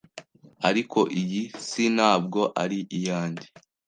Ariko iyi si ntabwo ari iyanjye.